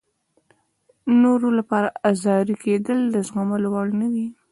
نورو لپاره ازاري کېدل د زغملو وړ نه وي.